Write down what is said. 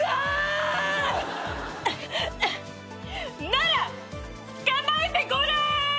ならつかまえてごらん！